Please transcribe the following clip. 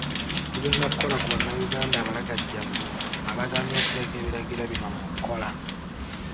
Tugenda kukola ku bannayuganda abalagajjavu abagaanye okuteeka ebiragiro bino mu nkola.